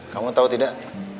kamu tau tidak